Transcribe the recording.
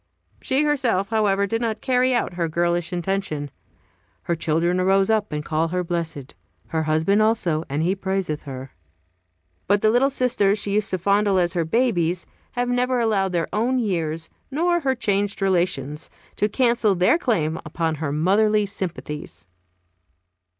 She herself, however, did not carry out her girlish intention. "Her children arise up and call her blessed; her husband also; and he praiseth her." But the little sisters she used to fondle as her "babies" have never allowed their own years nor her changed relations to cancel their claim upon her motherly sympathies.